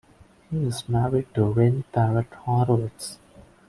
He is married to Erin Barrett Horowitz.